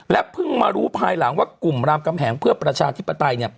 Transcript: เพิ่งมารู้ภายหลังว่ากลุ่มรามกำแหงเพื่อประชาธิปไตย